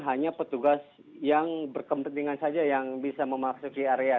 hanya petugas yang berkepentingan saja yang bisa memasuki area